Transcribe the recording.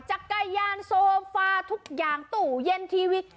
จักรไกรยานโซฟ้าทุกอย่างตุ๋วยเย็นทีวี